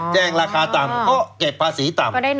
ราคาต่ำก็เก็บภาษีต่ำ